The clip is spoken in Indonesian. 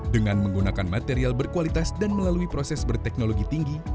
dengan menggunakan material berkualitas dan melalui proses berteknologi tinggi